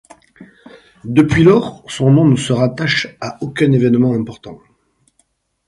Depuis lors son nom ne se rattache à aucun événement important.